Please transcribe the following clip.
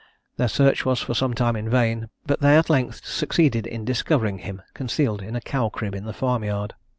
Their search was for some time in vain, but they at length succeeded in discovering him concealed in a cow crib in the farm yard.